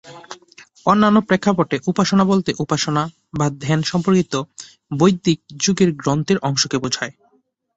অন্যান্য প্রেক্ষাপটে, উপাসনা বলতে উপাসনা বা ধ্যান সম্পর্কিত বৈদিক যুগের গ্রন্থের অংশকে বোঝায়।